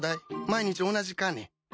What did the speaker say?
毎日同じかね？